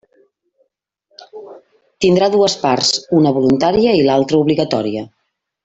Tindrà dues parts: una voluntària i una altra obligatòria.